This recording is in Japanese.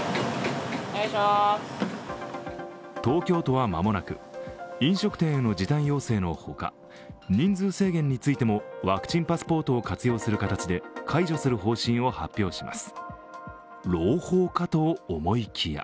東京都はまもなく飲食店への時短要請のほか人数制限についてもワクチンパスポートを活用する形で解除する方針を発表します。